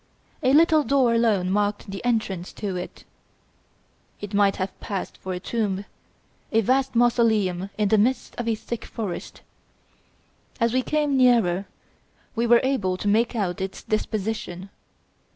A little door alone marked the entrance to it. It might have passed for a tomb, a vast mausoleum in the midst of a thick forest. As we came nearer, we were able to make out its disposition.